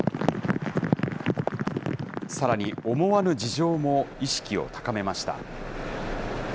さらに思わぬ事情も意識を高めました。